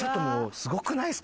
すごくないですか？